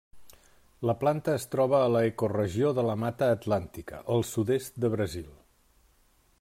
La planta es troba a l'ecoregió de la Mata Atlàntica, al sud-est de Brasil.